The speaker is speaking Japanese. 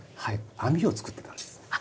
網を作ってたんです。